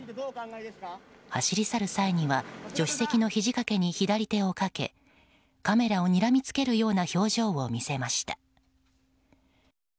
走り去る際には助手席のひじ掛けに左手をかけカメラをにらみつけるような表情を見せました。